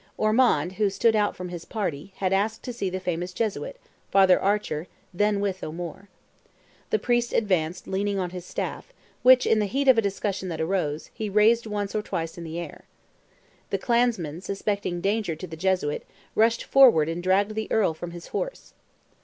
Ormond, who stood out from his party, had asked to see the famous Jesuit, Father Archer, then with O'Moore. The Priest advanced leaning on his staff, which, in the heat of a discussion that arose, he raised once or twice in the air. The clansmen, suspecting danger to the Jesuit, rushed forward and dragged the Earl from his horse.